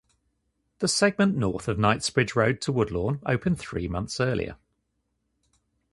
The segment north of Kingsbridge Road to Woodlawn opened three months earlier.